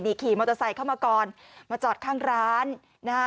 นี่ขี่มอเตอร์ไซค์เข้ามาก่อนมาจอดข้างร้านนะฮะ